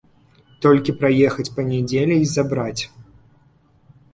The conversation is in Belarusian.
Толькі прыехаць па нядзелі й забраць.